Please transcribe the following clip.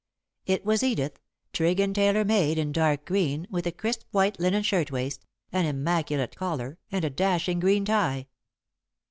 It was Edith, trig and tailor made, in dark green, with a crisp white linen shirtwaist, an immaculate collar, and a dashing green tie.